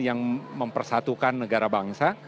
yang mempersatukan negara bangsa